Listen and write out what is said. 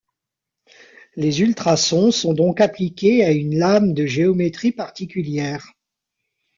Les ultrasons sont donc appliqués à une lame de géométrie particulière.